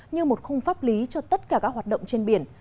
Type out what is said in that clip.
như một khung pháp lý cho tất cả các hoạt động của quốc gia